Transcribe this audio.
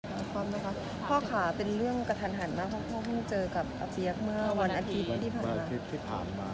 พ่อขาเป็นเรื่องกระทันหันมากเพราะพ่อเพิ่งเจอกับอัพเบียกเมื่อวันอาทิตย์ที่ผ่านมา